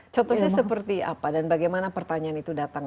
contohnya seperti apa dan bagaimana pertanyaan itu datang